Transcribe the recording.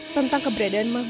tentang keberadaan mama